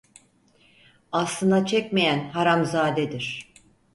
Aslına çekmeyen haramzadedir.